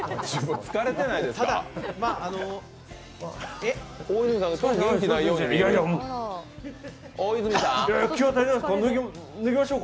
疲れてないですか？